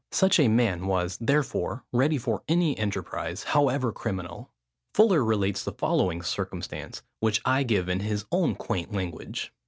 Such a man was, therefore, ready for any enterprise, however criminal. Fuller relates the following circumstance, which I give in his own quaint language.